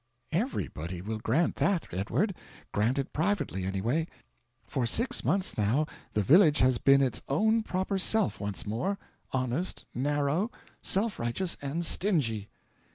"Everybody will grant that, Edward grant it privately, anyway. For six months, now, the village has been its own proper self once more honest, narrow, self righteous, and stingy."